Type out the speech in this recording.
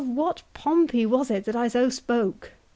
143 what Pompey was it that I so spoke